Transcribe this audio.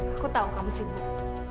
aku tahu kamu sibuk